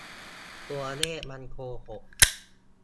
ตัวเลขมันโกหก !